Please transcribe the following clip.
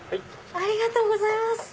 ありがとうございます。